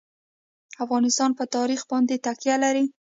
افغانستان په تاریخ باندې تکیه لري.